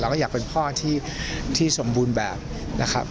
ก็อยากเป็นพ่อที่สมบูรณ์แบบนะครับ